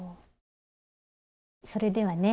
それではね